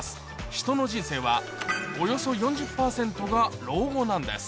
ヒトの人生はおよそ４０％が老後なんです